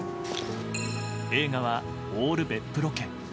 映画はオール別府ロケ。